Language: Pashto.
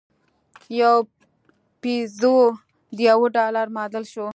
یو پیزو د یوه ډالر معادل شو.